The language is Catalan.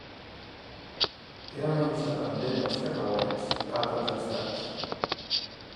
Era menys dependent dels cacauets que altres Estats.